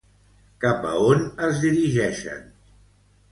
Cap a on es dirigeixen?